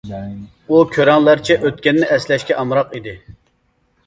ئۇ كۆرەڭلەرچە ئۆتكەننى ئەسلەشكە ئامراق ئىدى.